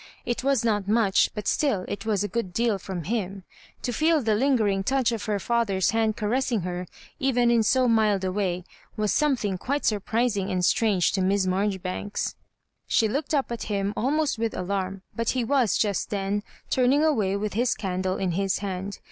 It was not much, but still it was a good deal from him. To feel the lingering touch of her father's hand caressing her, even in so mild a way, was 8<nQe thing quite surprising and strange to Miss Mar joribanks. She looked up at him almost with alarm, but he was just then turning away with his candle in his hand.